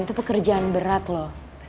itu pekerjaan berat loh